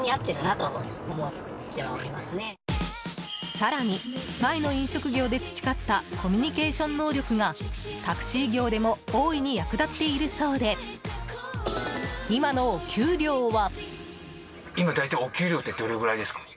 更に、前の飲食業で培ったコミュニケーション能力がタクシー業でも大いに役立っているそうで今のお給料は。